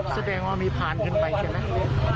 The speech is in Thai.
แสดงว่ามีพานขึ้นไปใช่ไหม